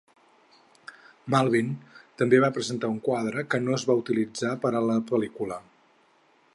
Malvin també va presentar un quadre que no es va utilitzar per a la pel·lícula.